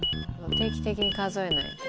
定期的に数えないと。